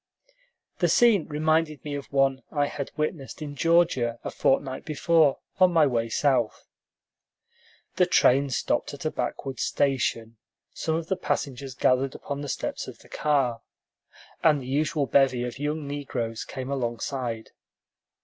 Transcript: The scene reminded me of one I had witnessed in Georgia a fortnight before, on my way south. The train stopped at a backwoods station; some of the passengers gathered upon the steps of the car, and the usual bevy of young negroes came alongside.